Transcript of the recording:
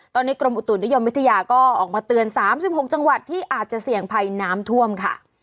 ตอนนี้กรมอุตุนิยมวิทยาก็ออกมาเตือน๓๖จังหวัดที่อาจจะเสี่ยงภัยน้ำท่วมค่ะ